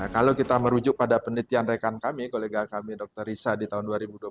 kalau kita merujuk pada penelitian rekan kami kolega kami dr risa di tahun dua ribu dua puluh satu